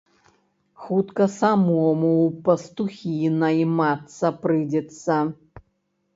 Хутка самому ў пастухі наймацца прыйдзецца.